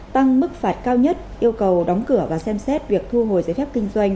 tăng mức phạt cao nhất yêu cầu đóng cửa và xem xét việc thu hồi giấy phép kinh doanh